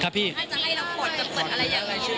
ครับพี่ถ้าจะให้เราปลดจะปลดอะไรอย่างนี้